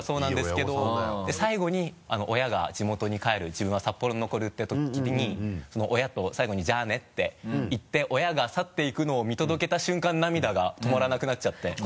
最後に親が地元に帰る自分は札幌に残るっていうときに親と最後に「じゃあね」って言って親が去って行くのを見届けた瞬間涙が止まらなくなっちゃって。